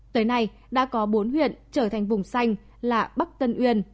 tới nay đã có bốn huyện trở thành vùng xanh là bắc tân uyên